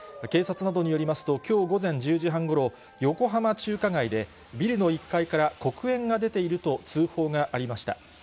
警察などによりますと、きょう午前１０時半ごろ、横浜中華街で、ビルの１階から黒煙が出ていると通報がありました。